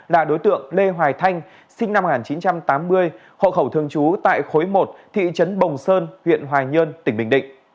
là đối tượng lê hoài thanh sinh năm một nghìn chín trăm tám mươi hộ khẩu thường trú tại khối một thị trấn bồng sơn huyện hoài nhơn tỉnh bình định